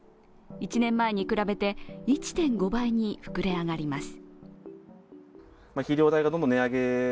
１年前に比べて、１．５倍に膨れ上がります。